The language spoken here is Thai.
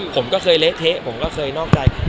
ผมก็เคยเละเทะผมก็เคยนอกใจ